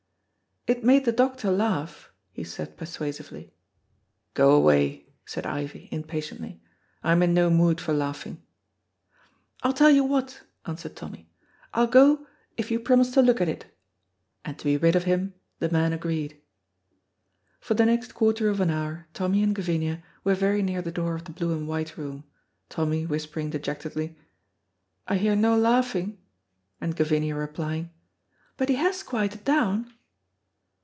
"It made the doctor laugh," he said persuasively. "Go away," said Ivie, impatiently; "I am in no mood for laughing." "I tell you what," answered Tommy, "I'll go, if you promise to look at it," and to be rid of him the man agreed. For the next quarter of an hour Tommy and Gavinia were very near the door of the blue and white room, Tommy whispering dejectedly, "I hear no laughing," and Gavinia replying, "But he has quieted down."